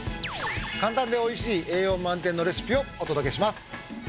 簡単で美味しい栄養満点のレシピをお届けします。